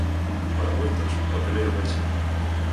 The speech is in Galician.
Para moitos, é o primeiro peche.